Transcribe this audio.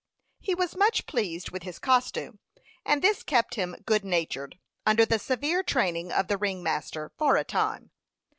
He was much pleased with his costume, and this kept him good natured, under the severe training of the ring master, for a time.